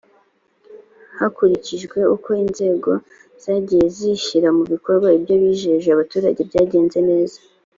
hakurikijwe uko inzego zagiye zishyira mubikorwa ibyo bijeje abaturage byagenze neza